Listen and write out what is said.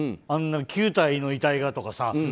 あんな９体の遺体がとか。